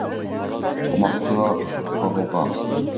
Ҡомартҡыға ҡағылған!